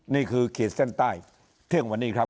นี่คือเขตเส้นใต้เท่าของวันนี้ครับ